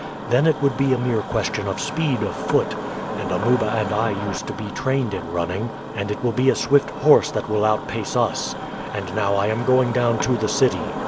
Then it would be a mere question of speed of foot, and Amuba and I used to be trained in running, and it will be a swift horse that will outpace us. And now I am going down to the city.